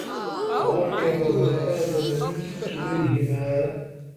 وَرَكَّبَ ابْنَ آدَمَ مِنْ كِلَيْهِمَا